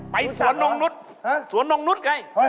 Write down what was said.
ไปสวนโรงนุษย์สวนโรงนุษย์ไงรู้จักเหรอฮะ